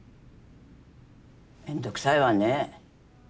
面倒くさいわね。